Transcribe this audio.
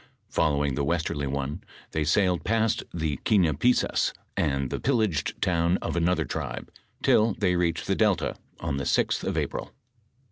Fol lowing the westerly one, they sailed past the Quinipissas, and the pillaged town of another tribe, till they reached the delta, on the 6th of April.